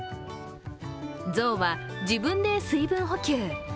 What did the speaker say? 象は自分で水分補給。